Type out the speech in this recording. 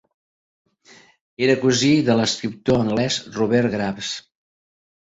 Era cosí de l'escriptor anglès Robert Graves.